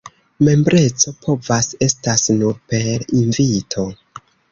Membreco povas estas nur per invito.